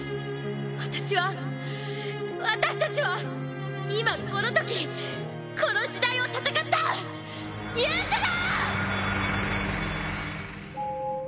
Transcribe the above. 私は私たちは今このときこの時代を戦った勇者だ！